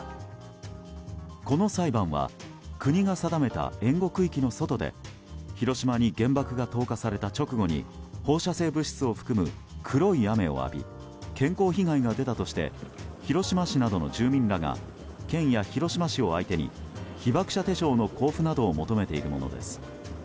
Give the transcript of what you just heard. この裁判は国が定めた援護区域の外で広島に原爆が投下された直後に放射性物質を含む黒い雨を浴び健康被害が出たとして広島市などの住民らが県や広島市を相手に被爆者手帳の交付などを求めているものです。